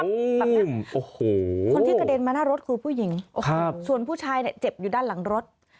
แบบเนี้ยโอ้โหคนที่กระเด็นมาหน้ารถคือผู้หญิงส่วนผู้ชายเนี่ยเจ็บอยู่ด้านหลังรถ